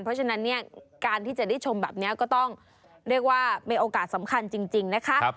เพราะฉะนั้นเนี่ยการที่จะได้ชมแบบนี้ก็ต้องเรียกว่ามีโอกาสสำคัญจริงนะคะ